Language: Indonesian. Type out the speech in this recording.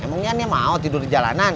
emang ani yang mau tidur di jalanan